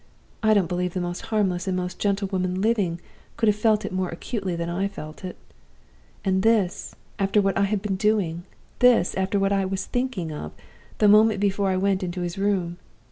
I don't believe the most harmless and most gentle woman living could have felt it more acutely than I felt it. And this, after what I have been doing! this, after what I was thinking of, the moment before I went into his room!